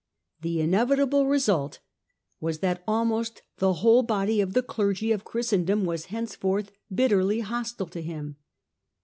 The inevit able result was that almost the whole body of the clergy of Christendom was henceforth bitterly hostile to him.